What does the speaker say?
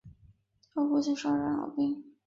他的父亲是二战老兵。